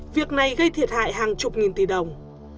việc này gây thiệt hại hàng chục nghìn tỷ đồng